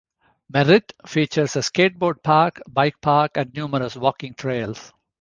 Merritt features a skateboard park, bike park, and numerous walking trails.